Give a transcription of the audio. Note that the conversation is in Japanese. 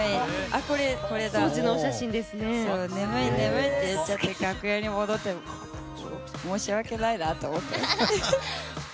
眠い眠いって言って楽屋に戻って申し訳ないなと思ってます。